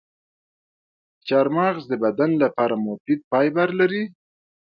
چارمغز د بدن لپاره مفید فایبر لري.